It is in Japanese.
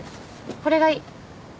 これがいい。